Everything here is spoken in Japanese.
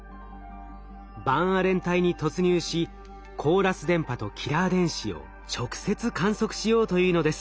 バンアレン帯に突入しコーラス電波とキラー電子を直接観測しようというのです。